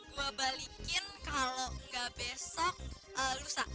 gue balikin kalau nggak besok lusa